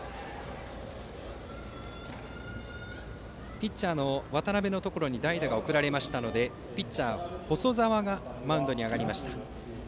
ピッチャーの渡邉のところに代打が送られましたのでピッチャー細澤がマウンドに上がりました。